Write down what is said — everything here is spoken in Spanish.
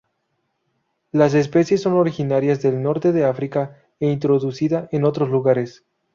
Las especies son originarias del Norte de África, e introducida en otros lugares.